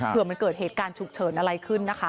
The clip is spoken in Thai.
เพื่อมันเกิดเหตุการณ์ฉุกเฉินอะไรขึ้นนะคะ